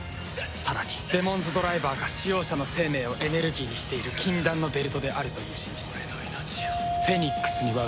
さらにデモンズドライバーが使用者の生命をエネルギーにしている禁断のベルトであるという真実